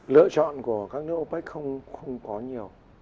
lựa chọn của các nước opec không có nhiều